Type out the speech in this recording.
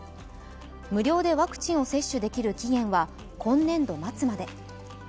無料でワクチンを接種できる期限は今年度末まで。